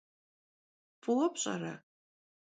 F'ıue pş'ere?